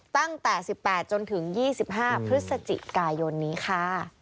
ตั้งแต่๑๘จนถึง๒๕พฤศจิกายนนี้ค่ะ